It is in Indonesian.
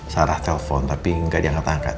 sarah telepon tapi gak diangkat angkat